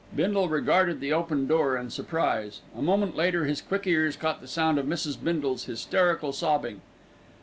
Bindle regarded the open door in surprise. A moment later his quick ears caught the sound of Mrs. Bindle's hysterical sobbing.